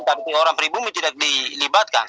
tapi orang pribumi tidak dilibatkan